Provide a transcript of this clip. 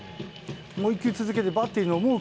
もう１球、続けて、バッテリーの思う